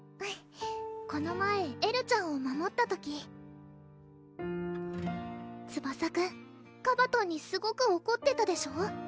この前エルちゃんを守った時ツバサくんカバトンにすごくおこってたでしょ？